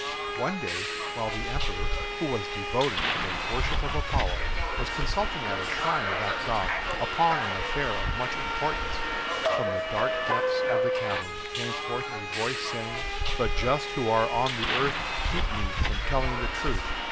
One day while the Emperor, who was devoted to the worship of Apollo, was consulting at a shrine of that god upon an affair of much importance, from the dark depths of the cavern came forth a voice saying, "The just who are on the earth keep me from telling the truth.